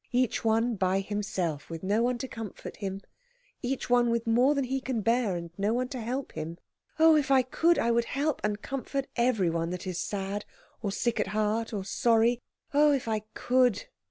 "Each one by himself, with no one to comfort him. Each one with more than he can bear, and no one to help him. Oh, if I could, I would help and comfort everyone that is sad, or sick at heart, or sorry oh, if I could!"